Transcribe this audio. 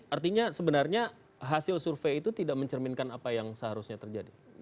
artinya sebenarnya hasil survei itu tidak mencerminkan apa yang seharusnya terjadi